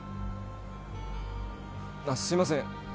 あっすいません。